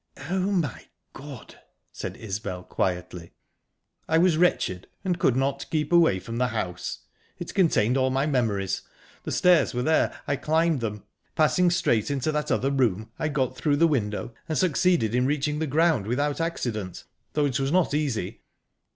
"Oh, my God!" said Isbel quietly. "I was wretched, and could not keep away from the house. It contained all my memories. The stairs were there; I climbed them. Passing straight into that other room, I got through the window, and succeeded in reaching the ground without accident, though it was not easy..."